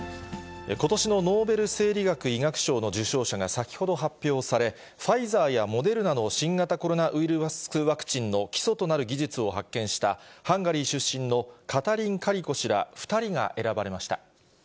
ことしのノーベル生理学・医学賞の受賞者が先ほど発表され、ファイザーやモデルナの新型コロナウイルスワクチンの基礎となる技術を発見したハンガリー出身のカタリン・カリコ氏ら、２人が選ばれました。